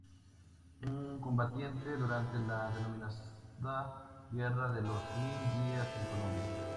Un combatiente durante la denominada Guerra de los Mil Días en Colombia.